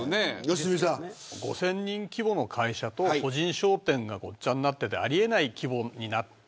５０００人規模の会社と個人商店がごっちゃになっていてあり得ない規模になっている。